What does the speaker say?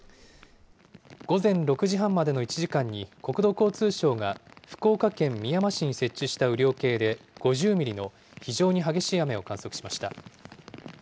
午前６時半までの１時間に、国土交通省が福岡県みやま市に設置した雨量計で５０ミリの非常に激しい雨を観測しました。